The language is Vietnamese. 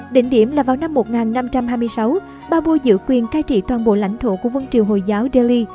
đỉnh điểm là vào năm một nghìn năm trăm hai mươi sáu babur giữ quyền cai trị toàn bộ lãnh thổ của vân triều hồi giáo delhi